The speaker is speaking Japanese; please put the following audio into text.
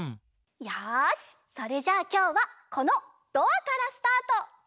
よしそれじゃあきょうはこのドアからスタート！